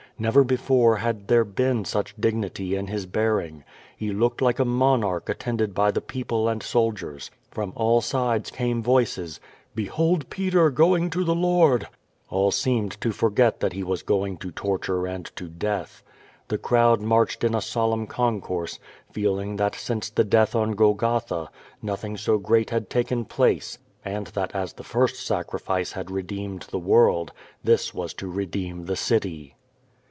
Never before had there been such dignity in his bearing. He looked like a monarch attended by the people and soldiers. From all sides came voices: "Behold PeteV going to the Lord!" All seemed to forget that he was going to torture and to death. The crowd marched in a solemn concourse, feeling that since the death on Golgotha, nothing so great had taken place, and that as the first sacrifice had redeemed the world, this was to redeem the city.